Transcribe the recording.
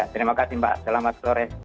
terima kasih mbak selamat sore